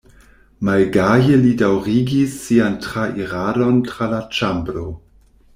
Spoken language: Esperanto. Malgaje li daŭrigis sian trairadon tra la ĉambro.